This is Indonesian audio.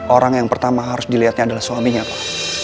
orang yang pertama harus dilihatnya adalah suaminya pak